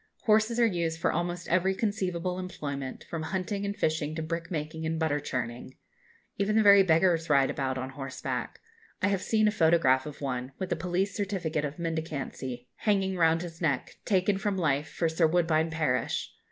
Horses are used for almost every conceivable employment, from hunting and fishing to brick making and butter churning. Even the very beggars ride about on horseback. I have seen a photograph of one, with a police certificate of mendicancy hanging round his neck, taken from life for Sir Woodbine Parish.